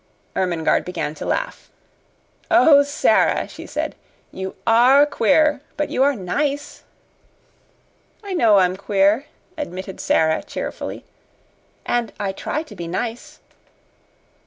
Ermengarde began to laugh. "Oh, Sara!" she said. "You ARE queer but you are nice." "I know I am queer," admitted Sara, cheerfully; "and I TRY to be nice."